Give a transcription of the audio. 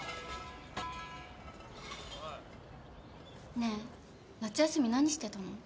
ねえ夏休み何してたの？